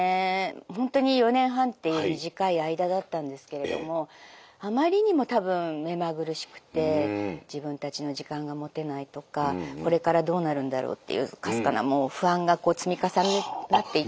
ほんとに４年半っていう短い間だったんですけれどもあまりにも多分目まぐるしくて自分たちの時間が持てないとかこれからどうなるんだろうっていうかすかなもう不安が積み重なっていったんだと。